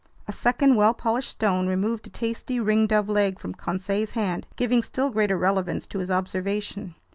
A second well polished stone removed a tasty ringdove leg from Conseil's hand, giving still greater relevance to his observation.